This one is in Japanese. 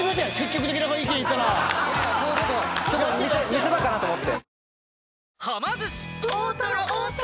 見せ場かなと思って。